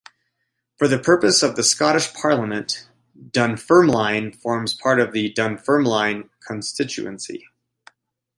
For the purposes of the Scottish Parliament, Dunfermline forms part of the Dunfermline constituency.